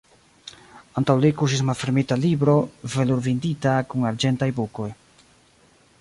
Antaŭ li kuŝis malfermita libro, velurbindita, kun arĝentaj bukoj.